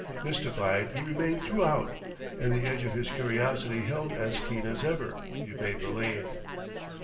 Mystified he remained throughout, and the edge of his curiosity held as keen as ever, you may believe.